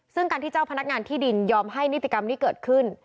ซึ่งการที่เจ้าพนักงานที่ดินยอมให้นิติกรรมนี้เกิดขึ้น